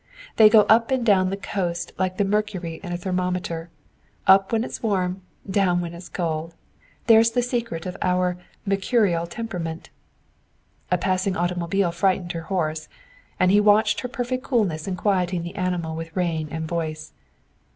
They go up and down the coast like the mercury in a thermometer up when it's warm, down when it's cold. There's the secret of our mercurial temperament." A passing automobile frightened her horse, and he watched her perfect coolness in quieting the animal with rein and voice.